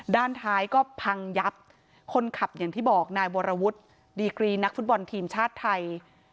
ด้านท้ายก็พังยับคนขับอย่างที่บอกนายวรวุฒิดีกรีนักฟุตบอลทีมชาติไทย